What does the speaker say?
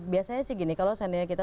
biasanya sih gini kalau seandainya kita